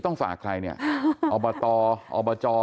ต้องฝากใครเนี่ยอบตอบจ